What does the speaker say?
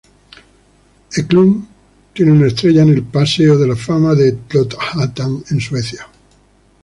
Eklund tiene una estrella en el Paseo de la fama de Trollhättan en Suecia.